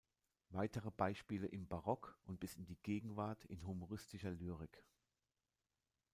Weitere Beispiele im Barock und bis in die Gegenwart in humoristischer Lyrik.